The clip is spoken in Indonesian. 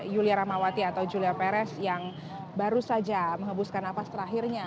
julia ramawati atau julia perez yang baru saja mengebuskan napas terakhirnya